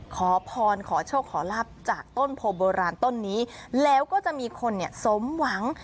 ขอพรขอโชคขอลาบจากต้นโพโบราณต้นนี้แล้วก็จะมีคนเนี่ยสมหวัง